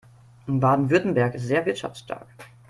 Baden-Württemberg ist sehr wirtschaftsstark.